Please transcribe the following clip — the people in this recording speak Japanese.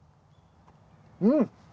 うん！